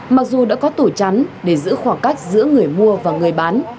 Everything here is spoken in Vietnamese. mặc dù đã có tủi chắn để giữ khoảng cách giữa người mua và người bán